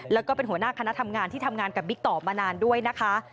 แล้วก็เป็นหัวหน้าคณะทำงานที่ทำงานกับบิ๊กต่อมานานด้วยนะคะ